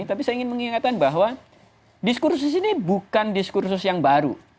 tapi saya ingin mengingatkan bahwa diskursus ini bukan diskursus yang baru